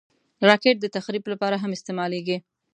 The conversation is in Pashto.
راکټ د تخریب لپاره هم استعمالېږي